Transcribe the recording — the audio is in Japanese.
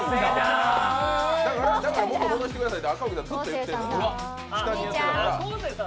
だから元に戻してくださいって、赤荻さんがずっと言ってるの。